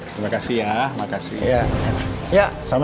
terima kasih ya terima kasih